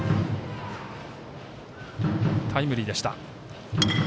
タイムリーでした。